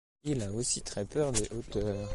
Il a aussi très peur des hauteurs.